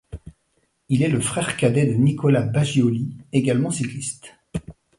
Il est le frère cadet de Nicola Bagioli, également cycliste.